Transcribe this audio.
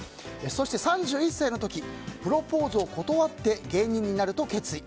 そして、３１歳の時プロポーズを断って芸人になると決意。